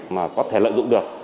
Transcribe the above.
mà có thể lợi dụng được